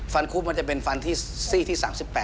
คุบมันจะเป็นฟันที่ซี่ที่๓๘